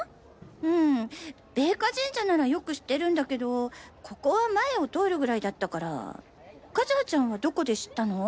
うん米花神社ならよく知ってるんだけどここは前を通るぐらいだったから和葉ちゃんはどこで知ったの？